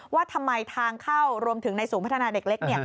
ว่าทำไมทางเข้ารวมถึงในสูงพัฒนาเด็กเล็กเนี่ย